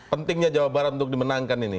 pentingnya jawa barat untuk dimenangkan ini